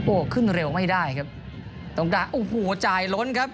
โอ้โหขึ้นเร็วไม่ได้ครับต้องด่าโอ้โหจ่ายล้นครับ